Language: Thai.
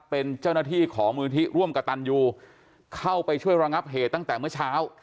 เป็นเจ้าหน้าที่ของมูลที่ร่วมกระตันยูเข้าไปช่วยระงับเหตุตั้งแต่เมื่อเช้า